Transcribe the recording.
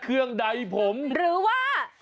เครื่องใดผมหรือว่า